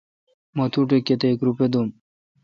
مہ تو ٹھ کتیک روپےدھُوم۔